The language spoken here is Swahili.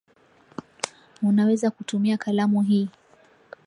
Unaweza kutumia kalamu hii.